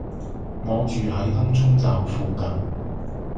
我住喺東涌站附近